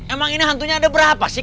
emang ini hantunya ada berapa sih